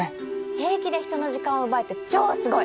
平気で人の時間を奪えて超すごい。